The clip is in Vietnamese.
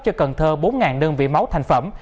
cho cần thơ bốn đơn vị máu thành phẩm